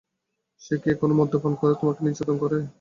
সে কি এখনো মদ্যপান করে তোমাকে নির্যাতন করে?